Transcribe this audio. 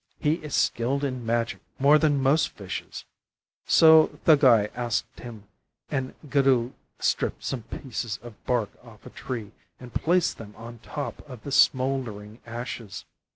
He is skilled in magic more than most fishes.' So Thuggai asked him, and Guddhu stripped some pieces of bark off a tree, and placed them on top of the smouldering ashes.